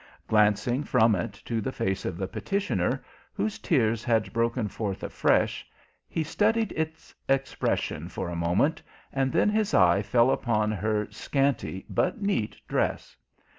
Glancing from it to the face of the petitioner, whose tears had broken forth afresh, he studied its expression for a moment, and then his eye fell upon her scanty but neat dress.